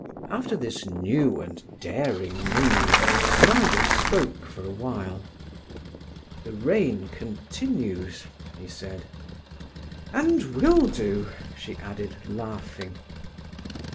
After this new and daring move neither spoke for a while. "The rain continues," he said. "And will do," she added, laughing.